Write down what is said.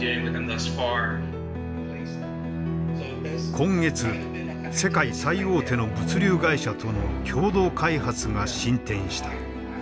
今月世界最大手の物流会社との共同開発が進展した。